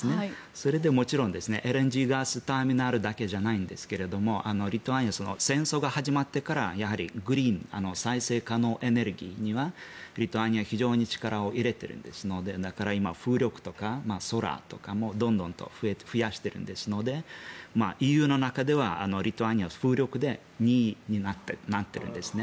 それでもちろんＬＮＧガスターミナルだけじゃないんですがリトアニアは戦争が始まってから再生可能エネルギーにはリトアニアは非常に力を入れているのでだから今、風力とか空とかもどんどん増やしてますのでＥＵの中ではリトアニアは風力で２位になっているんですね。